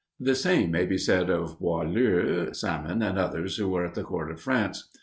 The same may be said of Beaulieu, Salmon, and others, who were at the court of France.